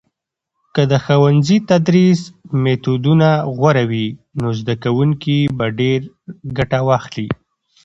که د ښوونځي تدریس میتودونه غوره وي، نو زده کوونکي به ډیر ګټه واخلي.